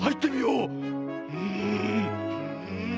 うん！